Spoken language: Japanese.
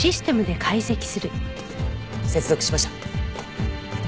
接続しました。